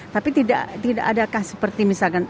tapi tidak adakah seperti misalkan